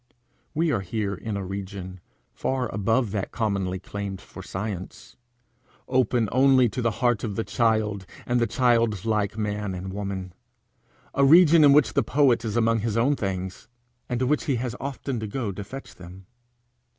We are here in a region far above that commonly claimed for science, open only to the heart of the child and the childlike man and woman a region in which the poet is among his own things, and to which he has often to go to fetch them.